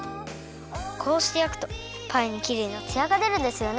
こうしてやくとパイにきれいなつやがでるんですよね。